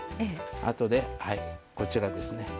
あとでこちらですね。